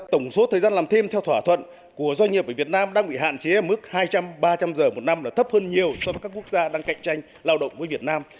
tổng số thời gian làm thêm theo thỏa thuận của doanh nghiệp ở việt nam đang bị hạn chế ở mức hai trăm linh ba trăm linh giờ một năm là thấp hơn nhiều so với các quốc gia đang cạnh tranh lao động với việt nam